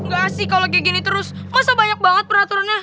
ga asik kalo gini terus masa banyak banget peraturannya